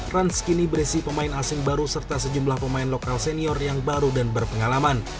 rans kini berisi pemain asing baru serta sejumlah pemain lokal senior yang baru dan berpengalaman